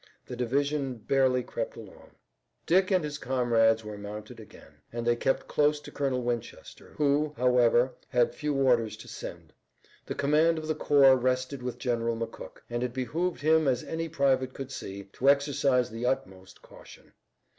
The division barely crept along. Dick and his comrades were mounted again, and they kept close to Colonel Winchester, who, however, had few orders to send. The command of the corps rested with General McCook, and it behooved him as any private could see, to exercise the utmost caution.